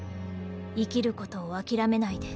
「生きる事を諦めないで」。